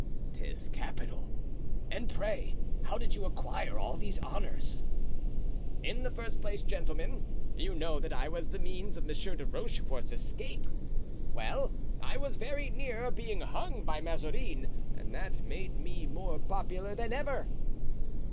"'Tis capital; and pray, how did you acquire all these honors?" "In the first place, gentlemen, you know that I was the means of Monsieur de Rochefort's escape; well, I was very near being hung by Mazarin and that made me more popular than ever."